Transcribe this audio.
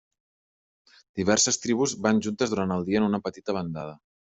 Diverses tribus van juntes durant el dia en una petita bandada.